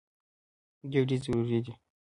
ګېډې ضروري دي.